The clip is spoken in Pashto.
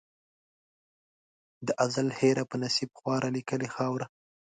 د ازل هېره په نصیب خواره لیکلې خاوره